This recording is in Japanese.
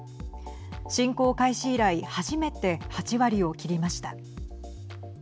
侵攻開始以来初めて８割を切りました。